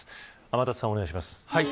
天達さん、お願いします。